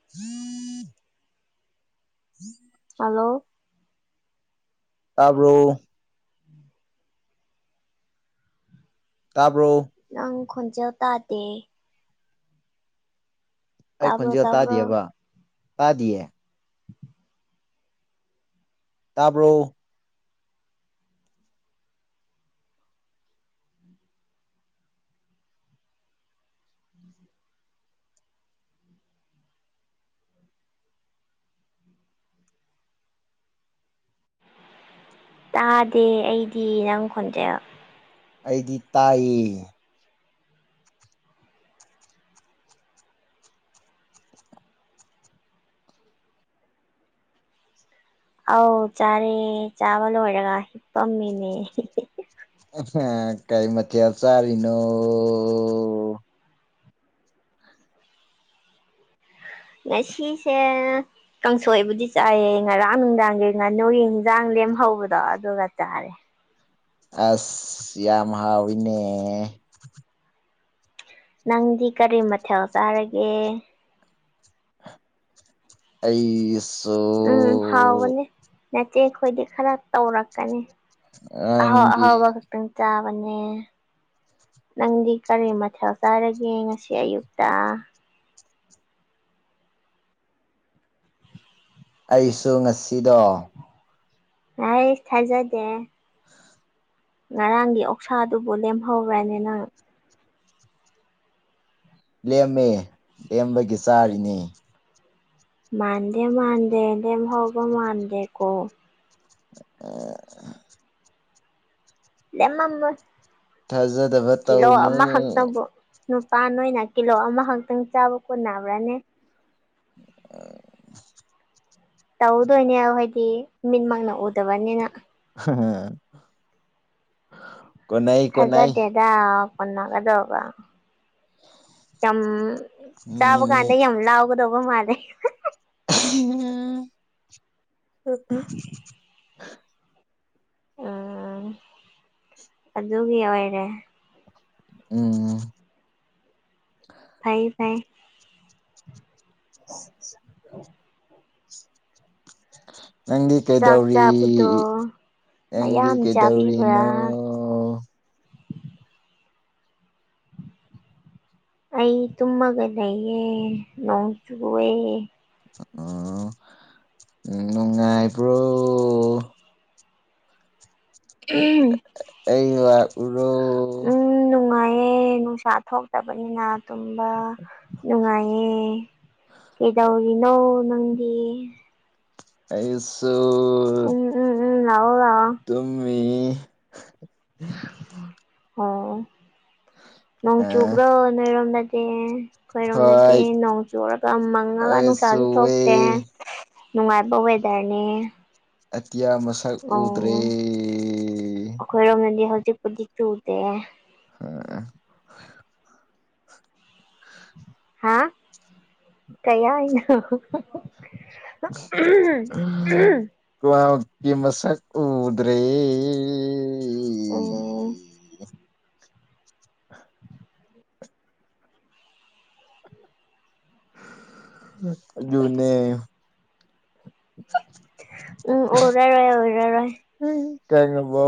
[inaudible] Hello ꯇꯥꯕ꯭ꯔꯣ ꯇꯥꯔꯕ꯭ꯔꯣ ꯅꯪ ꯈꯣꯟꯖꯦꯜ ꯇꯥꯗꯦ ꯑꯩ ꯇꯥꯕ꯭ꯔꯣ ꯈꯣꯟꯖꯦꯜ ꯇꯥꯕ꯭ꯔꯣ ꯇꯥꯗꯦꯕ ꯇꯥꯗꯤꯌꯦ ꯇꯥꯕ꯭ꯔꯣ ꯇꯥꯗꯦ ꯑꯩꯗꯤ ꯅꯪ ꯈꯣꯟꯖꯦꯜ ꯑꯩꯗꯤ ꯇꯥꯏꯌꯦ ꯑꯧ ꯆꯥꯔꯦ ꯆꯥꯕ ꯂꯣꯢꯔꯒ ꯐꯝꯃꯤꯅꯦ ꯑ ꯀꯥꯏ ꯃꯊꯦꯜ ꯆꯥꯔꯤꯅꯣ ꯉꯁꯤꯁꯦ ꯀꯥꯡꯁꯣꯏꯕꯨꯗꯤ ꯆꯥꯏꯌꯦ ꯉꯔꯥꯡ ꯅꯨꯡꯗꯥꯡꯒꯤ ꯉꯥꯅꯨꯒꯤ ꯌꯦꯟꯖꯥꯡ ꯂꯦꯝꯍꯧꯕꯗꯣ ꯑꯗꯨꯒ ꯆꯥꯔꯦ ꯑꯥꯁ ꯌꯥꯝ ꯍꯥꯎꯏꯅꯦ ꯅꯪꯗꯤ ꯀꯔꯤ ꯃꯊꯦꯜ ꯆꯥꯔꯒꯦ ꯑꯩꯁ ꯎꯝ ꯍꯥꯎꯕꯅꯤ ꯅꯆꯦꯈꯣꯏꯗꯤ ꯈꯔ ꯇꯧꯔꯛꯀꯅꯤ ꯑꯍꯥꯎ ꯅꯪꯒꯤ ꯑꯍꯥꯎꯕ ꯈꯛꯇꯪ ꯆꯥꯕꯅꯦ ꯅꯪꯗꯤ ꯀꯔꯤ ꯃꯊꯦꯜ ꯆꯥꯏꯔꯒꯦ ꯉꯁꯤ ꯑꯌꯨꯛꯇ ꯑꯩꯁꯨ ꯉꯁꯤꯗꯣ ꯑꯩꯁ ꯊꯥꯖꯗꯦ ꯉꯔꯥꯡꯒꯤ ꯑꯣꯛꯁꯥꯗꯨꯕꯨ ꯂꯦꯝꯍꯧꯕ꯭ꯔꯅꯤꯅꯪ ꯂꯦꯝꯃꯦ ꯂꯦꯝꯕꯒꯤ ꯆꯥꯔꯤꯅꯦ ꯃꯥꯟꯗꯦ ꯃꯟꯗꯦꯗ ꯍꯧꯕ ꯃꯥꯟꯗꯦ ꯀꯣ ꯑ [unintelligible] ꯂꯦꯝꯃꯝꯃꯣꯢ ꯊꯥꯖꯥꯗꯕ ꯀꯤꯂꯣ ꯑꯃꯈꯛꯇꯪꯕꯨ ꯅꯨꯄꯥ ꯅꯣꯏ ꯑꯣꯏꯅ ꯀꯤꯂꯣ ꯑꯃꯈꯛꯇꯪ ꯆꯥꯕ ꯀꯣꯟꯅꯕ꯭ꯔꯅꯦ ꯑꯣ [inaudible] ꯇꯧꯗꯣꯏꯅꯦ ꯑꯍꯣꯏꯗꯤ ꯃꯤꯠꯃꯛꯅ ꯎꯗꯕꯅꯤꯅ ꯍꯝ ꯊꯥꯖꯗꯦꯗꯥ ꯀꯣꯟꯅꯒꯗꯧꯕ ꯌꯥꯝ ꯆꯥꯕ ꯃꯤꯅꯤ ꯀꯥꯟꯗ ꯌꯥꯝ ꯂꯥꯎꯒꯗꯧꯕ ꯃꯥꯜꯂꯦ ꯎꯝ [unintelligible] ꯎꯝ ꯑꯗꯨꯒꯤ ꯑꯣꯏꯔꯦ ꯎꯝ ꯐꯩ ꯐꯩ ꯆ [inaudible] ꯅꯪꯗꯤ ꯆꯥꯛ ꯀꯩꯗꯧꯔꯤ ꯆꯥꯕꯗꯣ ꯅꯪꯗꯤ ꯃꯌꯥꯝ ꯀꯩꯗꯧꯔꯤꯅꯣ ꯆꯥꯕꯤꯕ꯭ꯔꯥ ꯑꯩ ꯇꯨꯝꯃꯒ ꯂꯩꯌꯦ ꯅꯣꯡ ꯆꯨꯑꯦ ꯑꯣ ꯅꯨꯡꯉꯥꯏꯕ꯭ꯔꯣ ꯎꯝ ꯑꯩ ꯂꯥꯛꯎꯔꯣ ꯎꯝ ꯅꯨꯡꯉꯥꯏꯌꯦ ꯅꯨꯡꯁꯥ ꯊꯣꯛꯇꯕꯅꯤꯅ ꯇꯨꯝꯕ ꯅꯨꯡꯉꯥꯏꯌꯦ ꯀꯩꯗꯧꯔꯤꯅꯣ ꯅꯪꯗꯤ ꯑꯩꯁꯨ ꯎꯝ ꯎꯝ ꯎꯝ ꯂꯥꯛꯑꯣ ꯂꯥꯛꯑꯣ ꯇꯨꯝ ꯑꯩ ꯑꯣ ꯅꯣꯡ ꯑ ꯆꯨꯕꯔꯣ ꯅꯣꯏꯔꯣꯝꯗꯗꯤ ꯑꯩꯈꯣꯏꯔꯣꯝꯗꯗꯤ ꯍꯣꯏ ꯅꯣꯡ ꯆꯨꯔꯒ ꯃꯪꯉꯒ ꯑꯩꯁꯨ ꯅꯨꯡꯁꯥꯁꯨ ꯋꯦ ꯊꯣꯛꯇꯦ ꯅꯨꯡꯉꯥꯏꯕ ꯋꯦꯗꯔꯅꯦ ꯑꯇꯤꯌꯥ ꯃꯁꯛ ꯑꯣ ꯎꯗ꯭ꯔꯦ ꯑꯩꯈꯣꯏꯔꯣꯝꯗꯗꯤ ꯍꯧꯖꯤꯛꯄꯨꯗꯤ ꯆꯨꯗꯦ ꯑ [inaudible] ꯍꯥꯥ ꯀꯩ ꯍꯥꯏꯅꯣ ꯎꯝ ꯀ꯭ꯂꯥꯎꯠꯀꯤ ꯃꯁꯛ ꯎꯗ꯭ꯔꯦ ꯑꯣ ꯨꯅꯦ ꯎꯝ ꯑꯣꯔꯥ ꯔꯣꯏ ꯑꯣꯔꯥ ꯔꯣꯏ ꯎꯝ ꯀꯉꯕꯣ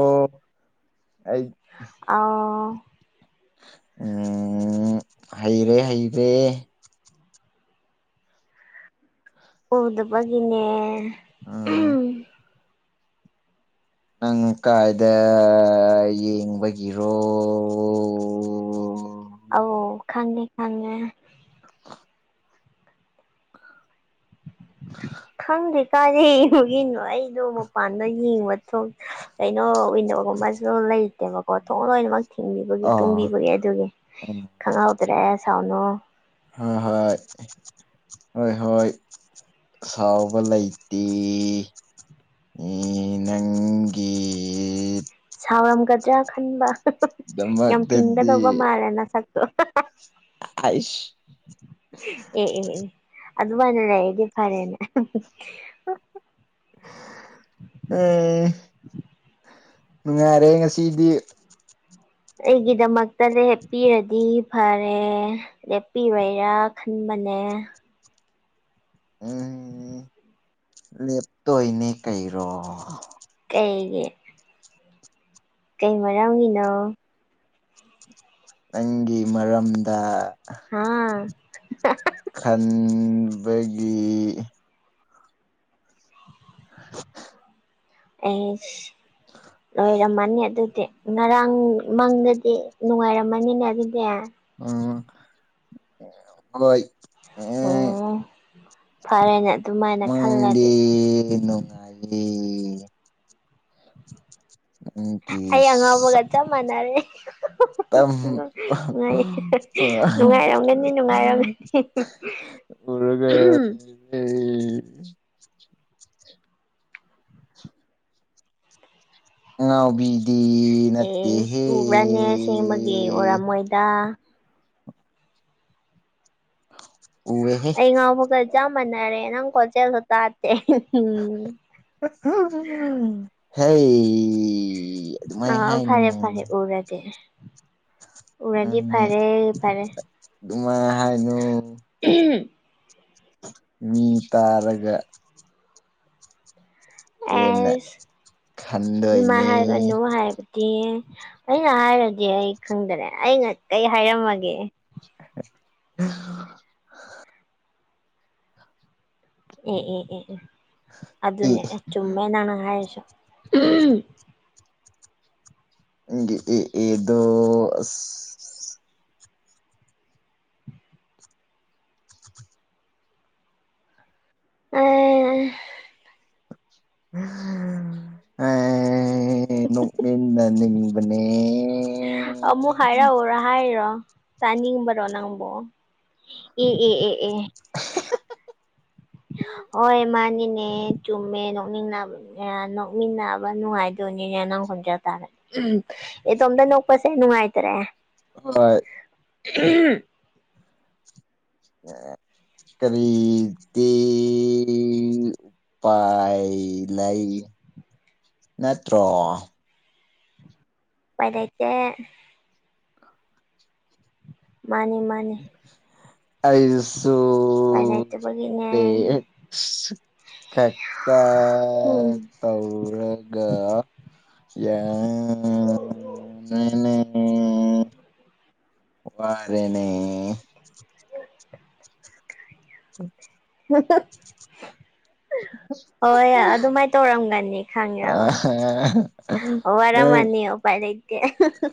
ꯑꯩ ꯑꯧ ꯎ ꯍꯩꯔꯦ ꯍꯩꯔꯦ ꯎꯗꯕꯒꯤꯅꯦ ꯑꯥ ꯅꯪ ꯀꯥꯏꯗ ꯌꯦꯡꯕꯒꯤꯔꯣ ꯑꯧ ꯈꯪꯉꯦ ꯈꯪꯉꯦ [inaudible] ꯈꯪꯗꯦ ꯀꯥꯏꯗ ꯌꯦꯡꯕꯒꯤꯅꯣ ꯑꯩꯗꯣ ꯃꯄꯥꯟꯗ ꯌꯦꯡꯕ ꯊꯣꯛ ꯀꯩꯅꯣ ꯎꯕꯒꯨꯝꯕꯁꯨ ꯂꯩꯇꯦꯕꯀꯣ ꯊꯣꯡ ꯂꯣꯏꯅꯃꯛ ꯊꯤꯡꯕꯤꯕꯒꯤ ꯑꯥ ꯇꯨꯝꯕꯤꯕꯒꯤ ꯑꯗꯨꯒꯤ ꯎꯝ ꯈꯪꯍꯧꯗ꯭ꯔꯦ ꯁꯥꯎꯅꯣ ꯍꯣꯏ ꯍꯣꯏ ꯍꯣꯏ ꯍꯣꯏ ꯁꯥꯎꯕ ꯂꯩꯇꯦ ꯅꯪꯒꯦ ꯁꯥꯎꯔꯝꯒꯗ꯭ꯔꯥ ꯈꯟꯕ ꯌꯥꯝ ꯐꯤꯡꯒꯗꯧꯕ ꯃꯥꯜꯂꯦꯅ ꯁꯛꯇꯣ ꯍꯐ ꯑꯥꯏꯁ ꯑꯦ ꯑꯦ ꯑꯦ ꯑꯗꯨꯃꯥꯏꯅ ꯂꯩꯔꯗꯤ ꯐꯔꯦꯅꯦ ꯎꯝ ꯅꯨꯡꯉꯥꯏꯔꯦ ꯉꯁꯤꯗꯤ ꯑꯩꯒꯤꯗꯃꯛꯇꯗꯤ ꯍꯦꯞꯄꯤꯔꯗꯤ ꯐꯔꯦ ꯂꯦꯞꯄꯤꯔꯣꯏꯔꯥ ꯈꯟꯕꯅꯦ ꯑ ꯂꯦꯞꯇꯣꯏꯅꯦ ꯀꯩꯔꯣ ꯀꯩꯒꯤ ꯀꯩ ꯃꯔꯝꯒꯤꯅꯣ ꯅꯪꯒꯤ ꯃꯔꯝꯗ ꯍꯥꯥ ꯈꯟꯕꯒꯤ [inaudible] ꯑꯦꯁ ꯂꯣꯏꯔꯝꯃꯅꯤ ꯑꯗꯨꯗꯤ ꯉꯔꯥꯡ ꯃꯪꯗꯗꯤ ꯅꯨꯡꯉꯥꯏꯔꯝꯃꯅꯤꯅꯦ ꯑꯗꯨꯗꯤ ꯎꯝ ꯍꯥꯏ ꯑꯣ ꯐꯔꯦꯅꯦ ꯑꯗꯨꯃꯥꯏꯅ ꯃꯪꯗ ꯈꯜꯂꯗꯤ ꯅꯨꯡꯉꯥꯏꯌꯦ ꯅꯪꯒꯤ ꯑꯩ ꯑꯉꯥꯎꯕꯒ ꯁꯛꯇꯝ ꯆꯞ ꯃꯥꯅꯔꯦ ꯅꯨꯡꯉꯥꯏꯌꯦ ꯅꯨꯡꯉꯥꯏꯔꯝꯒꯅꯤ ꯅꯨꯡꯉꯥꯏꯔꯝꯒꯅꯤ ꯎꯝ ꯎꯝ ꯉꯕꯤꯗꯤ ꯏꯁ ꯎꯕ꯭ꯔꯥꯅꯦ ꯁꯦꯡꯕꯒꯤ ꯎꯔꯝꯃꯣꯏꯗꯥ ꯎꯋꯦꯍꯦ ꯑꯩ ꯉꯥꯎꯕꯒ ꯆ ꯃꯥꯟꯅꯔꯦ ꯅꯪ ꯀꯣꯟꯆꯦꯜꯁꯨ ꯇꯥꯗꯦ ꯎꯝ ꯍ ꯑꯗꯨꯃꯥꯏ ꯍꯥꯏꯅꯨ ꯎꯨꯔꯛꯇ‌ꯦ ꯎꯝ ꯐꯔꯦ ꯑꯗꯨꯃꯥꯏ ꯍꯥꯏꯅꯨ ꯎꯝ ꯃꯤ ꯇꯥꯔꯒ ꯍꯦꯟꯅ ꯑꯦꯁ ꯑꯗꯨꯃꯥꯏ ꯈꯟꯗꯣꯏꯅꯦ ꯍꯥꯏꯒꯅꯣ ꯍꯥꯏꯕꯅꯦ ꯑꯩꯅ ꯍꯥꯏꯔꯗꯤ ꯑꯩ ꯈꯪꯗ꯭ꯔꯦ ꯑꯩꯅ ꯀꯔꯤ ꯍꯥꯏꯔꯝꯃꯒꯦ [inaudible] ꯑꯦ ꯑꯦ ꯑꯦ ꯑꯦ ꯑꯗꯨꯅꯦ ꯆꯨꯝꯃꯦ ꯅꯪꯅ ꯍꯥꯏꯔꯁꯨ ꯅꯪꯒꯤ ꯑꯦ ꯑꯦ ꯗꯣ ꯑ [inaudible] ꯑꯦ ꯅꯣꯛꯃꯤꯟꯅꯅꯤꯡꯕꯅꯦ ꯑꯃꯨꯛ ꯍꯥꯏꯔꯛꯎꯔ ꯍꯥꯏꯔꯣ ꯇꯥꯅꯤꯡꯕꯔꯣ ꯅꯪꯕꯨ ꯑ‌ꯦ ꯑ‌ꯦ ꯑ‌ꯦ ꯍꯣꯏ ꯃꯥꯅꯤꯅꯦ ꯆꯨꯝꯃꯦ ꯅꯣꯛꯅꯤꯡ ꯅꯥꯕ ꯅꯣꯛꯃꯤꯟꯅꯕ ꯅꯨꯡꯉꯥꯏꯗꯣꯏꯅꯤꯅꯦ ꯅꯪ ꯍꯣꯟꯖ ꯇꯥꯔꯦ ꯏꯇꯣꯝꯇ ꯅꯣꯛꯄꯁꯦ ꯅꯨꯡꯉꯥꯏꯇ꯭ꯔꯦ ꯍꯣꯏ ꯎ ꯑ ꯀꯔꯤꯗꯤ ꯎꯨꯞ ꯄꯥꯏ ꯂꯩꯥꯏ ꯅꯠꯇ꯭ꯔꯣ ꯄ ꯂꯩꯇꯦ ꯃꯥꯅꯤ ꯃꯥꯅꯤ ꯑꯩꯁꯨ ꯎꯄꯥꯏ ꯂꯩꯇꯕꯒꯤꯅꯦ ꯑ‌ꯦ ꯑ‌ꯦ ꯈꯛꯇ ꯎꯝ ꯇꯧꯔꯒ ꯌꯥ ꯅꯦ ꯅꯦ ꯋꯥꯔꯦꯅꯦ ꯎꯝ [inaudible] [inaudible] ꯍꯣꯏ ꯑꯗꯨꯃꯥꯏꯅ ꯇꯧꯔꯝꯒꯅꯤ ꯈꯪꯉꯦ ꯅꯪ ꯋꯥꯔꯝꯃꯅꯤ ꯎꯄꯥꯢ ꯂꯩꯇꯦ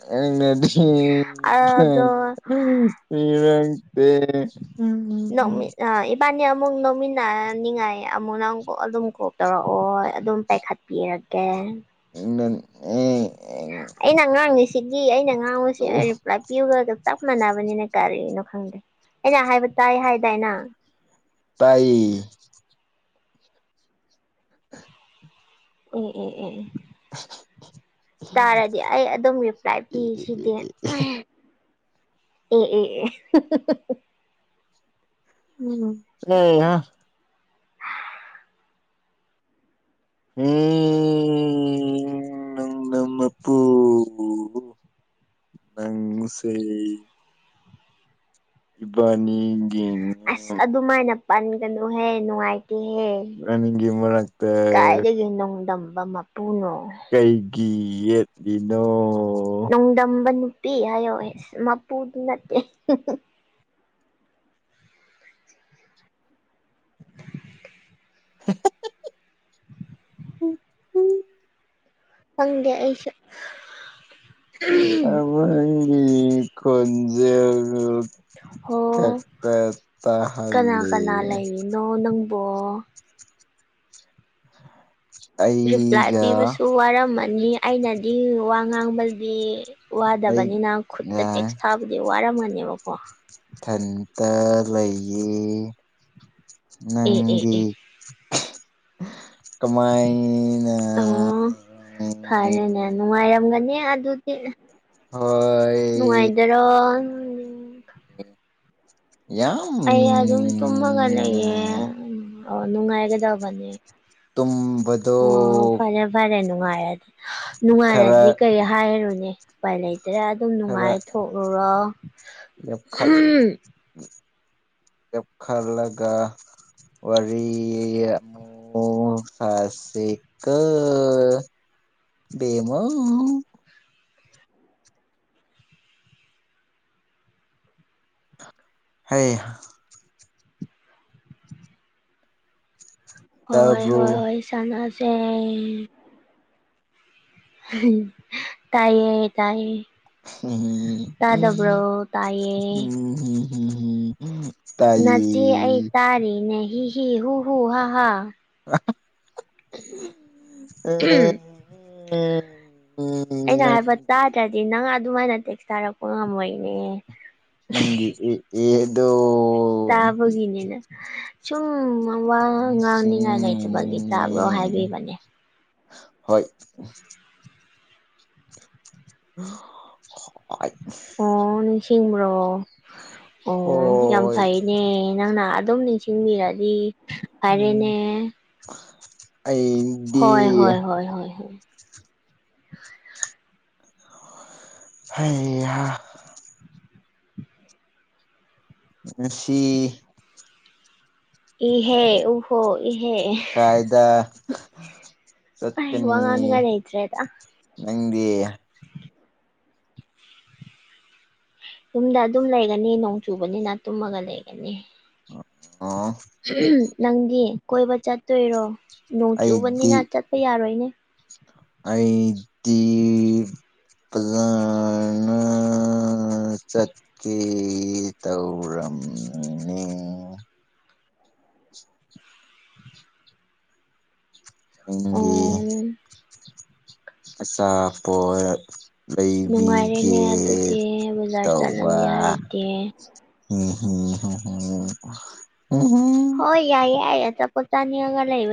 ꯅꯪꯅꯗꯤ ꯑꯗꯣ ꯏꯔꯛꯇ [inaudible] ꯅꯪ ꯃꯤꯠ ꯅꯥꯢꯌꯦ ꯏꯕꯥꯅꯤ ꯑꯃꯨꯛ ꯅꯛꯃꯤꯟꯅ ꯅꯤꯡꯉꯥꯏ ꯑꯃꯨꯛ ꯅꯪ ꯑꯗꯨꯝ ꯀꯣꯜ ꯇꯧꯔꯛꯑꯣ ꯑꯗꯨꯝ ꯄꯥꯏꯈꯠ ꯄꯤꯔꯛꯒꯦ [inaudible] ꯑꯩꯅ ꯉꯥꯡꯉꯤꯁꯤꯒꯤ ꯑꯩꯅ ꯉꯥꯡꯕꯁ‌ꯦ ꯔꯤꯄ꯭ꯂꯥꯏ ꯄꯤꯌꯨꯒ ꯆꯞ ꯃꯥꯟꯅꯕꯅꯤꯅ ꯀꯔꯤꯅꯣ ꯈꯪꯗꯦ ꯑꯩꯅ ꯍꯥꯏꯕ ꯇꯥꯏ ꯍꯥꯏꯗꯥꯏꯅꯦ ꯇꯥꯏ ꯑ‌ꯦ ꯑ‌ꯦ ꯑ‌ꯦ [inaudible] ꯇꯥꯔꯗꯤ ꯑꯩ ꯑꯗꯨꯝ ꯔꯤꯄ꯭ꯂꯥꯏ ꯄꯤꯔꯤꯁꯤꯗꯤ ꯑꯦ ꯑꯦ ꯑꯦ ꯎꯝ ꯑꯝ ꯍꯥ [inaudible] ꯑꯣ ꯅꯪꯁꯦ ꯏꯕꯥꯅꯤꯒꯤ ꯑꯁ ꯑꯗꯨꯃꯥꯏꯅ ꯄꯟꯒꯅꯨꯍꯦ ꯅꯨꯡꯉꯥꯏꯇꯦꯍꯦ ꯏꯕꯥꯅꯤꯒꯤ ꯃꯔꯛꯇ ꯀꯥꯏꯗꯒꯤ ꯅꯣꯡꯗꯝꯕ ꯃꯄꯨꯅꯣ ꯀꯩꯒꯤ ꯌꯦꯠꯂꯤꯅꯣ ꯆꯥꯡꯗꯝꯕ ꯅꯨꯄꯤ ꯍꯥꯏꯌꯣ ꯃꯄꯨꯗꯨ ꯅꯠꯇꯦ ꯎꯝ ꯎꯝ [inaudible] ꯐꯪꯗꯦ ꯑꯩꯁꯨ ꯑꯋꯥꯡꯒꯤ ꯈꯨꯟꯖꯦꯟꯗꯣ ꯑꯣ ꯀꯄꯠꯇꯍꯜꯂꯤ [inaudible] ꯑꫭ ꯅꯪꯕꯣ꯫ [unintelligible] ꯔꯤꯄ꯭ꯂꯥꯏ ꯑꯩꯒ ꯄꯤꯕꯁꯨ ꯋꯥꯔꯝꯃꯅꯤ꯫ ꯑꯩꯅꯗꯤ ꯋꯥ ꯉꯥꯡꯕꯗꯤ ꯋꯥꯗꯕꯅꯤꯅ ꯈꯨꯠꯇ ꯑꯩꯒ ꯇꯦꯛꯁ ꯊꯥꯕ ꯗꯤ ꯋꯥꯔꯝꯒꯅꯤꯕꯀꯣ꯫ ꯊꯟꯇ ꯂꯩꯌꯦ꯫ ꯑꯦ ꯑꯦ ꯅꯪꯗꯤ ꯑꯦ ꯀꯃꯥꯏꯅ ꯑꯣ ꯐꯔꯦꯅꯦ ꯂꯩꯔꯤꯅꯣ? ꯅꯨꯡꯉꯥꯏꯔꯝꯒꯅꯤ ꯑꯗꯨꯗꯤ꯫ ꯍꯣꯢ ꯖꯔꯣ ꯌꯥꯝ ꯑꯩ ꯑꯗꯨꯝ ꯇꯨꯝꯃꯒ ꯂꯩꯌꯦ ꯅꯨꯡꯉꯥꯏ꯫ ꯅꯨꯡꯉꯥꯏꯒꯗꯕꯅꯦ ꯑꯣ ꯎꯕꯗꯣ ꯐꯔꯦ ꯐꯔꯦ ꯅꯨꯡꯉꯥꯏꫪꯗꯤ ꯈꯔ ꯅꯨꯡꯉꯥꯏꯔꯗꯤ ꯀꯔꯤ ꯍꯥꯏꯔꯨꯅꯤ ꯎꯄꯥꯏ ꯂꯩꯇ‌‍꯭ꫪ‌ꯦ ꯑꯗꯨꯝ ꯈꯔ ꯅꯨꯡꯉꯥꯏꯊꯣꯛꯎꯨꯔꯣ ꯆꯞꯈꯠꯂꯒ ꯋꯥꯔꯤ ꯄꯣꯊꯁꯤꯀꯣ ꯕꯦꯝꯃꯑꫭ꯫ ꯍꯩ꯫ ꯍꯣꯏ ꯇꯥꯕ꯭ꯔꯣ ꯍꯣꯏ ꯍꯣꯏ ꯁꯥꯅꯁ‌ꯦ꯫ [unintelligible] ꯇꯥꯏꯌꯦ-ꯇꯥꯏꯌꯦ꯫ ꯇꯥꯏꯌꯦ [unintelligible] ꯅꯆꯦ ꯑꯩ ꯇꯥꯏꯌꯦ ꯇꯥꯔꯤꯅꯦ ꯍꯤ ꯍꯤ ꯍꯨ ꯍꯨ ꯍꯥ ꯍꯥ꯫ [unintelligible] ꯑꯩꯅ ꯍꯥꯏꯕ ꯅꯪꯒꯤ ꯇꯥꯗ꯭ꯔꯗꯤ ꯅꯪ ꯑꯗꯨꯃꯥꯏꯅ ꯇꯦꯛꯁ ꯊꯥꯔꯛꯄ ꯉꯝꯃꯣꯏꯅꯦ꯫ ꯅꯪꯒꯤ ꯑꯦ ꯑꯦ ꯗꯣ ꯇꯥꯕꯒꯤꯅꯤꯅ‌꯫ ꯁꯨꯝ ꯋꯥ ꯉꯥꯡꯅꯤꯡꯉꯥꯏ ꯂꯩꯇꯕꯒꯤ ꯇꯥꯕ꯭ꯔꯣ ꯅꯤꯡꯁꯤꯡꯉꯤꯅꯦ ꯍꯥꯏꯕꯤꯕꯅꯦ꯫ ꯍꯣꯏ꯫ [unintelligible] [unintelligible] ꯑꯣ ꯅꯤꯡꯁꯤꯡꯕ꯭ꯔꯣ ꯑꯣ ꯌꯥꯝ ꯍꯣꯏ ꯐꯩꯅꯦ꯫ ꯅꯪꯅꯥ ꯑꯗꯨꯝ ꯅꯤꯡꯁꯤꯡꯕꯤꯔꯗꯤ ꯎꯝ ꯐꯔꯦꯅꯦ ꯑꯩ ꯍꯣꯏ ꯍꯣꯏ ꯍꯣꯏ ꯍꯣꯏ꯫ ꯍꯩꯍꯥ꯫ ꯉꯥꯁꯤ ꯀꯥꯏꯗ [unintelligible] ꯑꯩ ꯋꯥ ꯆꯠꯀꯅꯤ ꯉꯥꯡꯅꯤꯉꯥꯏ ꯂꯩꯇ꯭ꯔꯦꯗ꯫ ꯅꯪꯗꯤ꯫ ꯌꯨꯝꯗ ꯑꯗꯨꯝ ꯂꯩꯒꯅꯤ ꯅꯣꯡ ꯆꯨꯕꯅꯤꯅ ꯇꯨꯝꯃꯒ ꯂꯩꯒꯅꯤ꯫ ꯑꫭ꯫ [unintelligible] ꯅꯪꯗꯤ ꯀꯣꯏꯕ ꯆꯠꯇꯣꯏꯔꯣ ꯅꯣꯡ ꯑꯩꯗꯤ ꯆꯨꯕꯅꯤꯅ ꯆꯠꯄ ꯌꯥꯔꯣꯏꯅꯦ꯫ ꯑꯩꯗꯤ ꯐꯖꯅ ꯆꯠꯀꯦ ꯇꯧꯔꯝꯃꯤꯅꯦ꯫ ꯅꯪꯗꯤ꯫ ꯑꯣ ꯑꯆꯥꯥꯄꫭꯠ ꯂꯩꯕꯤꯒꯦ ꯅꯨꯡꯉꯥꯏꯔꯦꯅꯦ ꯑꯗꯨꯗꯤ ꯕꯖꯥꯔ ꯇꯧꯕ꯫ ꯆꯠꯂꯅꯤ ꯍꯥꯏꯔꯗꯤ [unintelligible] ꯍꯣꯏ ꯌꯥꯏ ꯌꯥꯏ ꯑ ꯆꯄꫭꯠ ꯆꯥꯅꯤꯡꯉꯒ ꯂꯩ